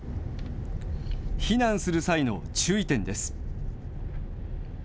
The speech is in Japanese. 避難する際の注意点です。